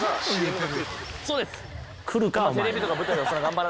そうです。